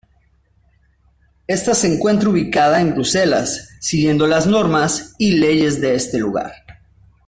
Esta se encuentra ubicada en Bruselas, siguiendo las normas y leyes de este lugar.